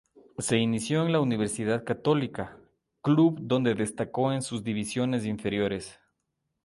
Se inició en la Universidad Católica, club donde destacó en sus divisiones inferiores.